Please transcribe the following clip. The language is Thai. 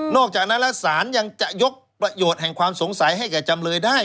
อกจากนั้นแล้วสารยังจะยกประโยชน์แห่งความสงสัยให้แก่จำเลยได้